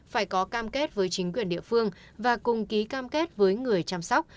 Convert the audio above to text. phải có cam kết với chính quyền địa phương và cùng ký cam kết với người chăm sóc